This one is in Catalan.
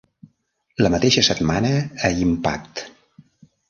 La mateixa setmana a Impact!